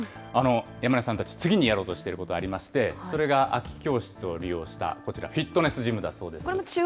山根さんたち、次にやろうとしていることがありまして、それが空き教室を利用した、こちら、フィットネスジムだそうです。